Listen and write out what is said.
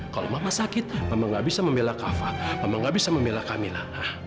kalau mama sakit mama gak bisa membela kava mama gak bisa membela kamila